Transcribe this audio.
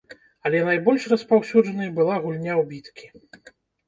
Але найбольш распаўсюджанай была гульня ў біткі.